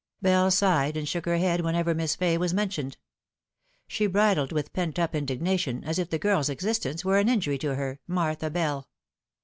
Bell sighed and shook her head whenever Miss Fay was men tioned. She bridled with pent up indignation, as if the girl's existence were an injury to her, Martha Bell.